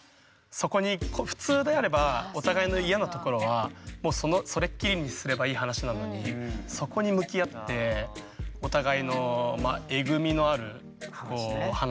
そこに普通であればお互いの嫌なところはもうそれっきりにすればいい話なのにそこに向き合ってお互いのえぐみのある話。